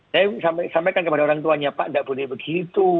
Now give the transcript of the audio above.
saya sampaikan kepada orang tuanya pak tidak boleh begitu